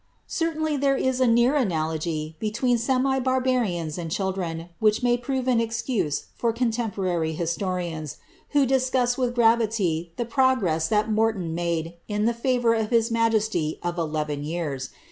Certainly there is a Bcsr Analogy between semi barbarians and children, which may prove an excuse for contemporary historians, who discuss with gravity the progress that Morton made in the favour of his majesty of eleven years!